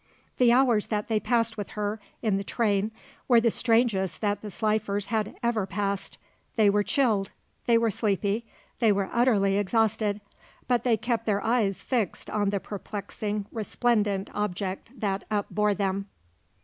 The hours that they passed with her in the train were the strangest that the Slifers had ever passed. They were chilled, they were sleepy, they were utterly exhausted; but they kept their eyes fixed on the perplexing, resplendent object that upbore them.